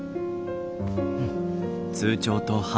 うん。